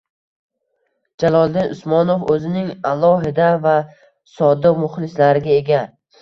Jaloliddin Usmonov oʻzining alohida va sodiq muxlislariga ega.